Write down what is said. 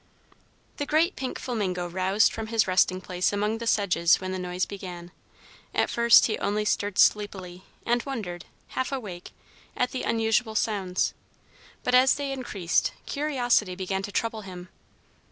The great pink flamingo roused from his resting place among the sedges when the noise began. At first he only stirred sleepily, and wondered, half awake, at the unusual sounds; but as they increased, curiosity began to trouble him.